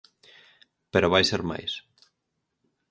Pero vai ser máis.